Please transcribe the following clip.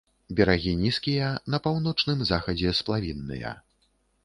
Берагі нізкія, на паўночным захадзе сплавінныя.